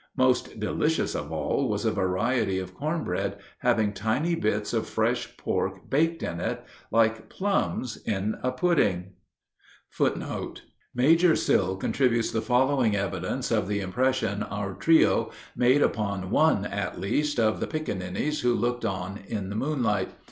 Most delicious of all was a variety of corn bread having tiny bits of fresh pork baked in it, like plums in a pudding. [Footnote 17: Major Sill contributes the following evidence of the impression our trio made upon one, at least, of the piccaninnies who looked on in the moonlight.